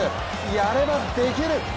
やればできる！